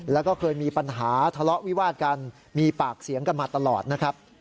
แล้วก็เคยมีปัญหาทะเลาะวิวาดกันมีปากเสียงกันมาตลอดนะครับ